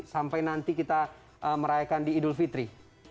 sampai nanti kita merayakan di idul fitri